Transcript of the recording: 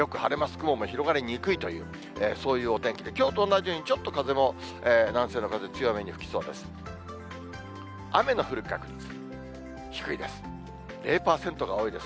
雲も広がりにくいという、そういうお天気で、きょうと同じように、ちょっと風も南西の風、強めに吹きそうです。